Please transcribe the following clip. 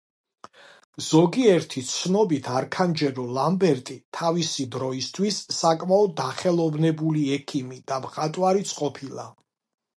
ზოგიერთი ცნობით, არქანჯელო ლამბერტი თავისი დროისთვის საკმაოდ დახელოვნებული ექიმი და მხატვარიც ყოფილა.